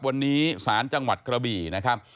วันนี้ศาลจังหวัดกระบี่นะครับ